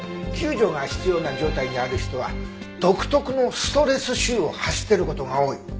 救助が必要な状態にある人は独特のストレス臭を発してる事が多い。